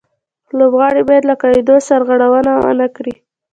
لوبغاړي باید له قاعدو سرغړونه و نه کړي.